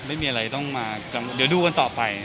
ไม่มีอะไรต้องมาเดี๋ยวดูกันต่อไป